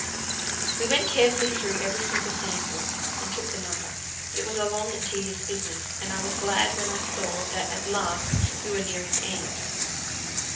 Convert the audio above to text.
'" We went carefully through every single sample, and took the number. It was a long and tedious business, and I was glad when I saw that at last we were nearing the end.